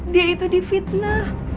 dia itu di fitnah